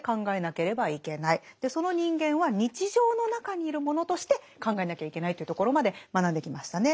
その人間は日常の中にいるものとして考えなきゃいけないというところまで学んできましたね。